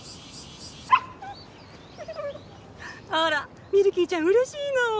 あらミルキーちゃん嬉しいの？